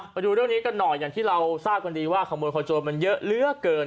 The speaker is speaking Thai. ไปดูเรื่องนี้กันหน่อยอย่างที่เราทราบกันดีว่าขโมยขโจรมันเยอะเหลือเกิน